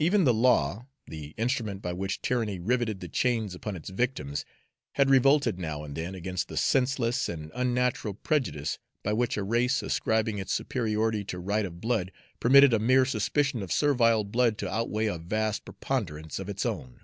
Even the law, the instrument by which tyranny riveted the chains upon its victims, had revolted now and then against the senseless and unnatural prejudice by which a race ascribing its superiority to right of blood permitted a mere suspicion of servile blood to outweigh a vast preponderance of its own.